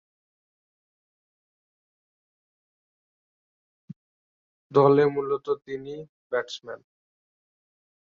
দলে তিনি মূলতঃ ব্যাটসম্যান।